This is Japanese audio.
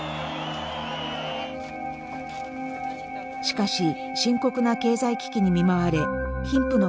しかし深刻な経済危機に見舞われ貧富の格差が拡大。